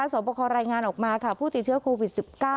สอบประคอรายงานออกมาค่ะผู้ติดเชื้อโควิด๑๙